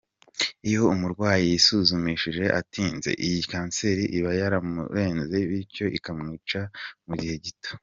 Iyo umurwayi yisuzumushije atinze, iyi kanseri iba yaramurenze bityo ikamwica mu gihe gito.